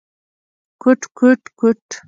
کوټ کوټ کوت…